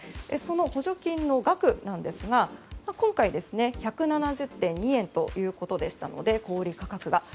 その補助金の額ですが今回、１７０．２円ということでしたので小売価格が。